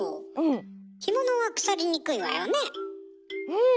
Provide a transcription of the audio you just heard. うん！